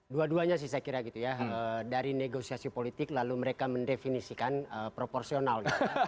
dua duanya sih saya kira gitu ya dari negosiasi politik lalu mereka mendefinisikan proporsional